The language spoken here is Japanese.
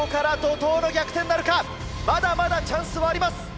まだまだチャンスはあります！